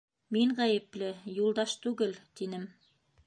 Мин ғәйепле, Юлдаш түгел, тинем.